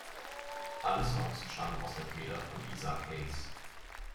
Alle Songs stammen aus der Feder von Isaac Hayes.